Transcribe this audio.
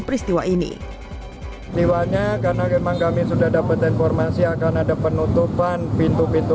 peristiwa ini dewanya karena memang kami sudah dapat informasi akan ada penutupan pintu pintu